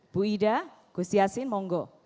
bu ida kusiasin monggo